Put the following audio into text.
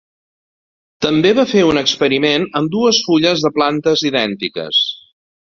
També va fer un experiment amb dues fulles de plantes idèntiques.